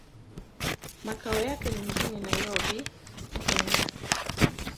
Makao yake ni mjini Nairobi, Kenya.